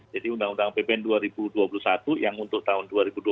jadi undang undang apbn dua ribu dua puluh satu yang untuk tahun dua ribu dua puluh dua